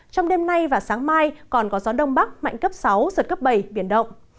trong đêm nay và sáng mai còn có gió đông bắc mạnh cấp sáu giật cấp bảy biển động